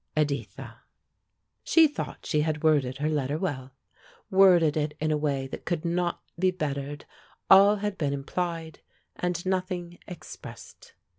"EDITHA." She thought she had worded her letter well, worded it in a way that could not be bettered; all had been implied and nothing expressed.